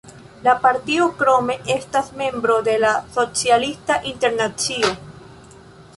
La partio krome estas membro de la Socialista Internacio.